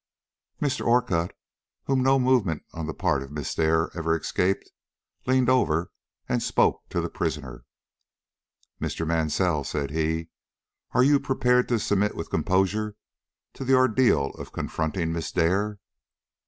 Mr. Orcutt, whom no movement on the part of Miss Dare ever escaped, leaned over and spoke to the prisoner. "Mr. Mansell," said he, "are you prepared to submit with composure to the ordeal of confronting Miss Dare?"